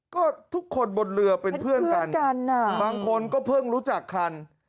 ก็ทุกคนบนเรือเป็นเพื่อนกันบางคนก็เพิ่งรู้จักคัน